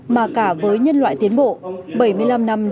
mà cả với nhân loại tiến bộ